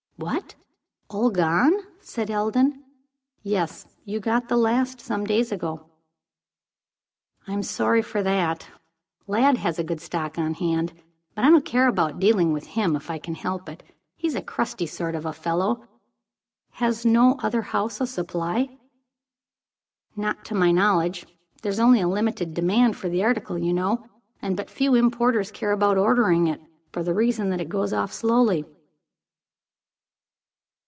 "What? All gone?" said Eldon. "Yes, you got the last some days ago." "I'm sorry for that. Lladd has a good stock on hand, but I don't care about dealing with him, if I can help it. He's a crusty sort of a fellow. Has no other house a supply?" "Not to my knowledge. There is only a limited demand for the article, you know, and but few importers care about ordering it, for the reason that it goes off slowly."